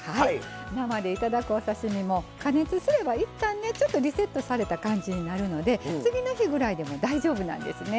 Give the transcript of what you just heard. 生で頂くお刺身も加熱すればいったんねちょっとリセットされた感じになるので次の日ぐらいでも大丈夫なんですね。